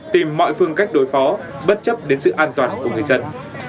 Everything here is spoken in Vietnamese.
tìm mọi phương cách đối phó bất chấp đến sự an toàn của người dân